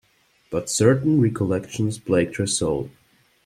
But certain recollections plagued her soul.